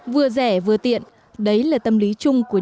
vừa rẻ vừa tiện đấy là tâm lý chung của những người dân